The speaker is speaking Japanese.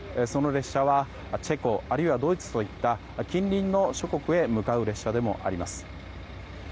その列車は、チェコあるいはドイツといった近隣諸国へ向かう列車でもあります。